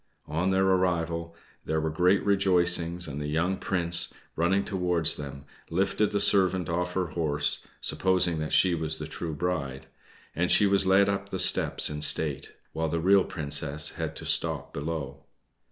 On their arrival there were great rejoicings, and the young Prince, running towards them, lifted the servant off her horse, supposing that she was the true bride; and she was led up the steps in state, while the real Princess had to stop below.